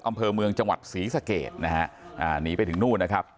อำเภอเมืองจังหวัดศรีสะเกดนะฮะอ่าหนีไปถึงนู่นนะครับ